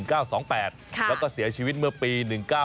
แล้วก็เสียชีวิตเมื่อปี๑๙